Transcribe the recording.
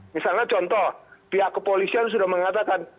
misalnya contoh pihak kepolisian sudah mengatakan